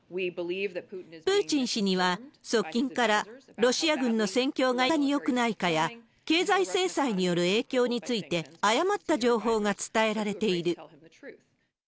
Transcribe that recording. プーチン氏には、側近からロシア軍の戦況がいかによくないかや、経済制裁による影響について、誤った情報が伝えられている。